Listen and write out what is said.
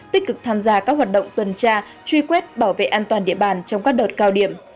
tích cực tham gia các hoạt động tuần tra truy quét bảo vệ an toàn địa bàn trong các đợt cao điểm